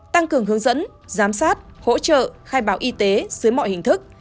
tăng cường hướng dẫn giám sát hỗ trợ khai báo y tế dưới mọi hình thức